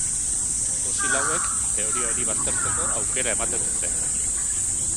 Fosil hauek teoria hori baztertzeko aukera ematen dute.